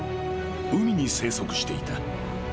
［海に生息していた］